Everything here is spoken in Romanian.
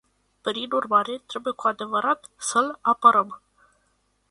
Prin urmare, trebuie cu adevărat să îl apărăm.